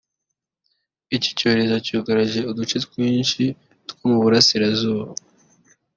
Iki cyorezo cyugarije uduce twinshi two mu Burasirazuba